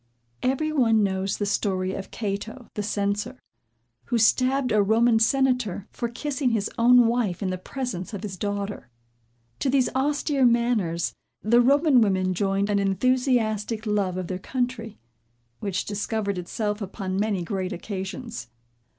Every one knows the story of Cato the censor, who stabbed a Roman Senator for kissing his own wife in the presence of his daughter. To these austere manners, the Roman women joined an enthusiastic love of their country, which discovered itself upon many great occasions.